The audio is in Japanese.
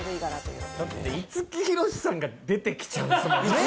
だって五木ひろしさんが出てきちゃうんですもんね。